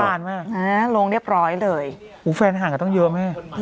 อ่าลงเรียบร้อยเลยอู๋แฟนอาหารก็ต้องเยอะไหม